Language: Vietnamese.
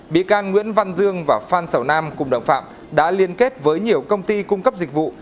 bị can nguyễn văn dương và phan sầu nam cùng đồng phạm đã liên kết với nhiều công ty cung cấp dịch vụ